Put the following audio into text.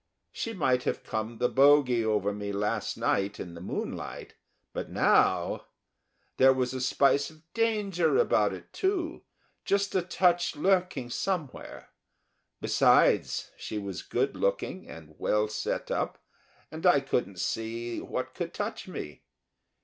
She might have come the bogy over me last night in the moonlight, but now ... There was a spice of danger about it, too, just a touch lurking somewhere. Besides, she was good looking and well set up, and I couldn't see what could touch me.